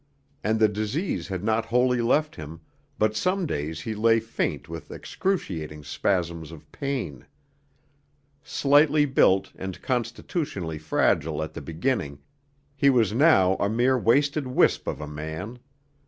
And the disease had not wholly left him, but some days he lay faint with excruciating spasms of pain. Slightly built and constitutionally fragile at the beginning, he was now a mere wasted wisp of a man.